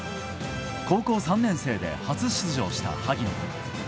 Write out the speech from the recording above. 高校３年生で初出場した萩野。